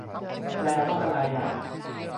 แปลว่าไรอ่ะ